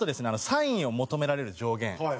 「サインを求められる上限」。